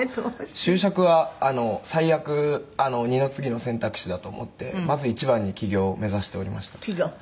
「就職は最悪二の次の選択肢だと思ってまず一番に起業を目指しておりました」「起業？